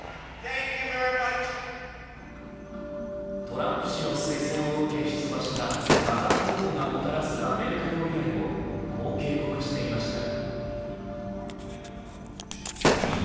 トランプ氏の推薦を受け出馬したＭＡＧＡ候補がもたらすアメリカの未来も、こう警告していました。